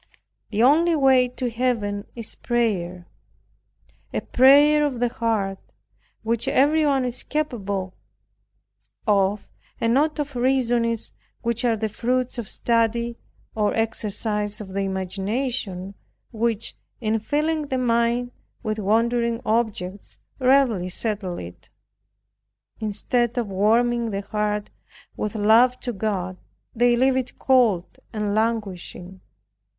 The only way to Heaven is prayer; a prayer of the heart, which every one is capable of, and not of reasonings which are the fruits of study, or exercise of the imagination, which, in filling the mind with wandering objects, rarely settle it; instead of warming the heart with love to God, they leave it cold and languishing.